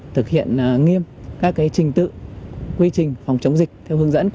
thực hiện nghiêm các trình tự quy trình phòng chống dịch